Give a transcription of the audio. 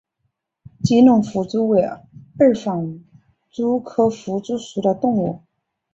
吉隆狒蛛为二纺蛛科狒蛛属的动物。